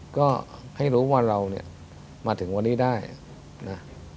ก็ให้รู้ว่าเราเนี่ยมาถึงวันนี้ได้นะ